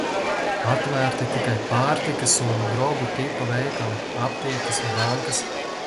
Atvērti tikai pārtikas un "Drogu" tipa veikali, aptiekas, bankas.